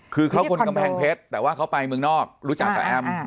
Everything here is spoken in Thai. คือเขาคนกำแพงเพชรแต่ว่าเขาไปเมืองนอกรู้จักกับแอม